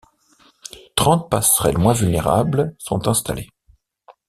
Trente passerelles moins vulnérables sont installées.